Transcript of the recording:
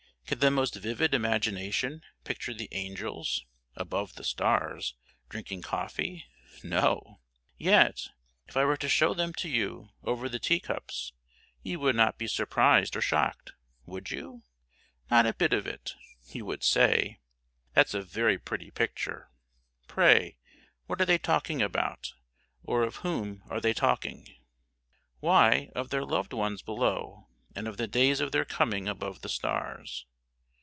Can the most vivid imagination picture the angels (above the stars) drinking coffee? No. Yet, if I were to show them to you over the teacups, you would not be surprised or shocked. Would you? Not a bit of it. You would say: "That's a very pretty picture. Pray, what are they talking about, or of whom are they talking?" Why, of their loved ones below, and of the days of their coming above the stars.